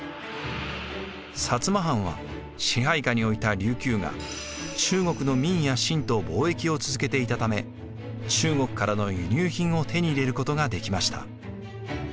摩藩は支配下に置いた琉球が中国の明や清と貿易を続けていたため中国からの輸入品を手に入れることができました。